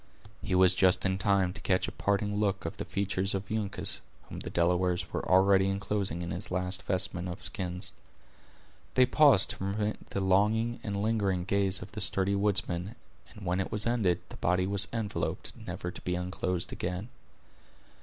He was just in time to catch a parting look of the features of Uncas, whom the Delawares were already inclosing in his last vestment of skins. They paused to permit the longing and lingering gaze of the sturdy woodsman, and when it was ended, the body was enveloped, never to be unclosed again.